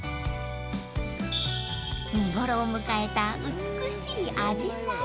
［見頃を迎えた美しいあじさい］